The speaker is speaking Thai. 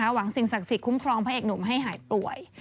หวังสิ่งศักดิ์สิทธิคุ้มครองพระเอกหนุ่มให้หายป่วย